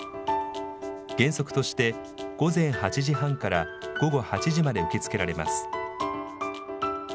原則として午前８時半から午後８時まで受け付けられます。